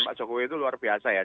pak jokowi itu luar biasa ya